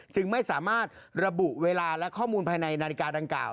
จึงไม่สามารถระบุเวลาและข้อมูลภายในนาฬิกาดังกล่าว